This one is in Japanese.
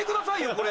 これ。